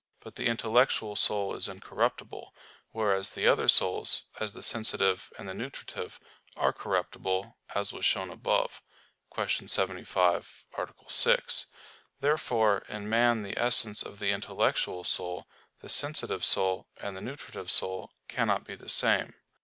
But the intellectual soul is incorruptible; whereas the other souls, as the sensitive and the nutritive, are corruptible, as was shown above (Q. 75, A. 6). Therefore in man the essence of the intellectual soul, the sensitive soul, and the nutritive soul, cannot be the same.